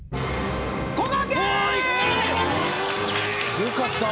良かった。